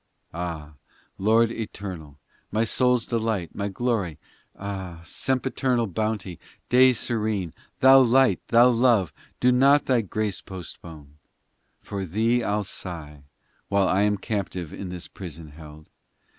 XX Ah, Lord eternal My soul s delight, my glory. Ah, sempiternal Bounty, Day serene, Thou Light, Thou Love, do not Thy grace postpone ! XXI For Thee I ll sigh While I am captive in this prison held